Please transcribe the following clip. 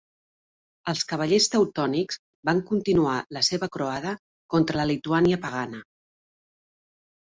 Els cavallers teutònics van continuar la seva croada contra la Lituània pagana.